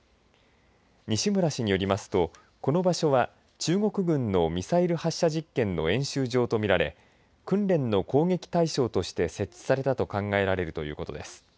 西村氏によりますとこの場所は、中国軍のミサイル発射実験の演習場と見られ訓練の攻撃対象として設置されたと考えられるということです。